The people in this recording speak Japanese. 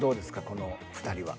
この２人は。